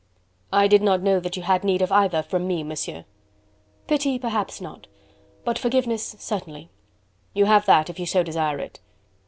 "I did not know that you had need of either from me, Monsieur." "Pity perhaps not, but forgiveness certainly." "You have that, if you so desire it."